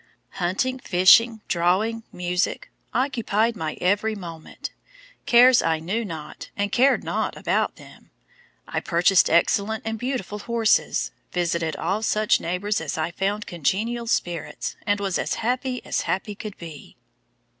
"Hunting, fishing, drawing, music, occupied my every moment; cares I knew not and cared naught about them. I purchased excellent and beautiful horses, visited all such neighbours as I found congenial spirits, and was as happy as happy could be."